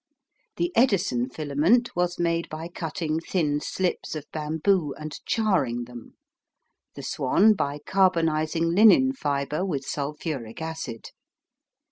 The Edison filament was made by cutting thin slips of bamboo and charring them, the Swan by carbonising linen fibre with sulphuric acid.